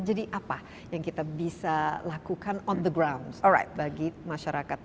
jadi apa yang kita bisa lakukan on the ground bagi masyarakat